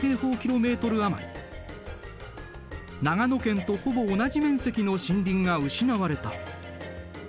余り長野県とほぼ同じ面積の森林が失われた。